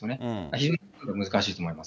非常に難しいと思います。